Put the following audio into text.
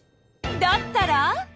だったら？